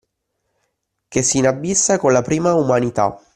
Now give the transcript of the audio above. Che s’inabissa con la prima umanità